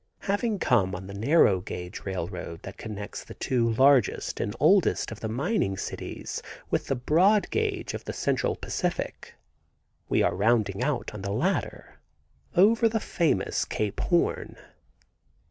Having come on the narrow gauge railroad that connects the two largest and oldest of the mining cities with the broad gauge of the Central Pacific, we are rounding out on the latter over the famous Cape Horn.